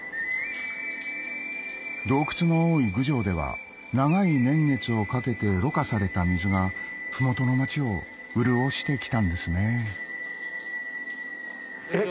洞窟の多い郡上では長い年月をかけてろ過された水が麓の町を潤してきたんですねえっ